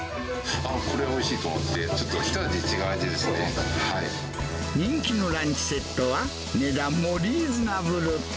これはおいしいと思って、人気のランチセットは、値段もリーズナブル。